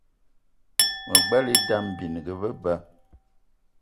Me gbelé idam bininga be ba.